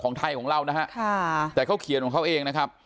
ไทยของเรานะฮะค่ะแต่เขาเขียนของเขาเองนะครับ